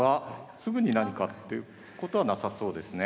すぐに何かっていうことはなさそうですね。